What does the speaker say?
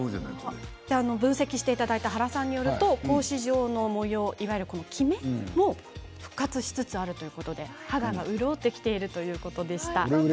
分析していただいた原さんによると格子状の模様いわゆる、きめも復活しつつあるということで肌が潤ってきているということでした。